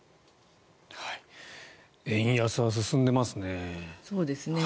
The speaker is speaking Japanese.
円安は進んでますね。